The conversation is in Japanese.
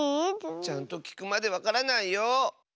ちゃんときくまでわからないよ。